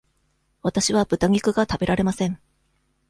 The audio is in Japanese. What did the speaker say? わたしはぶた肉が食べられません。